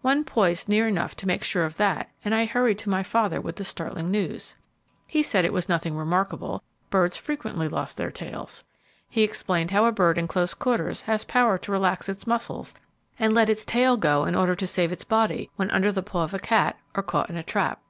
One poised near enough to make sure of that, and I hurried to my father with the startling news. He said it was nothing remarkable; birds frequently lost their tails. He explained how a bird in close quarters has power to relax its muscles, and let its tail go in order to save its body, when under the paw of a cat, or caught in a trap.